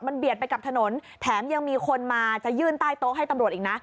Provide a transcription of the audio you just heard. เบียดไปกับถนนแถมยังมีคนมาจะยื่นใต้โต๊ะให้ตำรวจอีกนะ